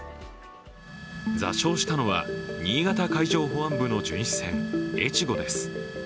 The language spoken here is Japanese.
座礁したのは新潟海上保安部の巡視船「えちご」です。